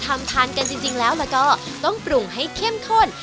ทานกันจริงแล้วแล้วก็ต้องปรุงให้เข้มข้น